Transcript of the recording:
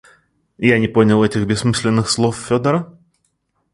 Я не понял этих бессмысленных слов Федора?